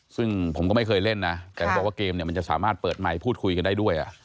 ซึ่งผมก็ไม่เคยเล่นนะแต่เขาบอกว่าเกมเนี่ยมันจะสามารถเปิดไมค์พูดคุยกันได้ด้วย